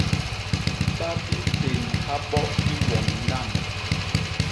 Ba bipénha bo i wom ndamb.